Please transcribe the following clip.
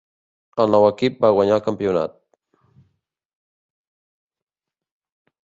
El nou equip va guanyar el campionat.